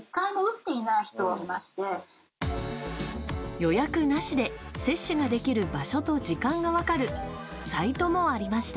予約なしで接種ができる場所と時間が分かるサイトもありました。